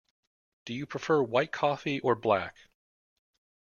Do you prefer white coffee, or black?